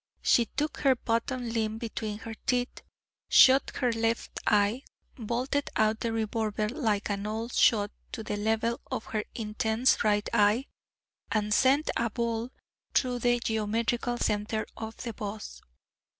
She took her bottom lip between her teeth, shut her left eye, vaulted out the revolver like an old shot to the level of her intense right eye, and sent a ball through the geometrical centre of the boss.